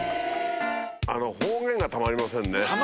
あの方言がたまりませんね